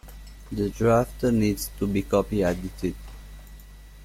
The draft needs to be copy edited